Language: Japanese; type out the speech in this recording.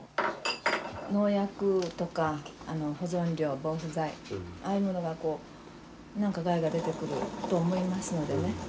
農薬とか保存料防腐剤ああいうものがこう何か害が出てくると思いますのでね。